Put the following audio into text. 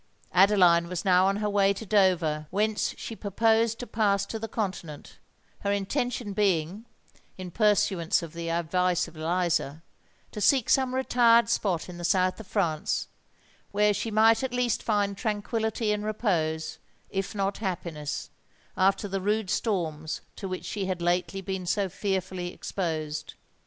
Adeline was now on her way to Dover, whence she purposed to pass to the continent; her intention being, in pursuance of the advice of Eliza, to seek some retired spot in the south of France, where she might at least find tranquillity and repose, if not happiness, after the rude storms to which she had lately been so fearfully exposed.